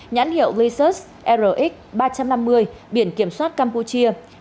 nhãn hiệu laysus rx ba trăm năm mươi biển kiểm soát campuchia